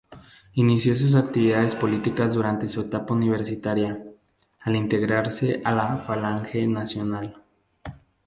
Inició sus actividades políticas durante su etapa universitaria, al integrarse a la Falange Nacional.